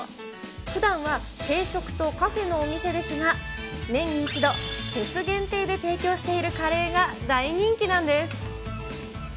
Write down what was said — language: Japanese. ふだんは定食とカフェのお店ですが、年に一度、フェス限定で提供しているカレーが大人気なんです。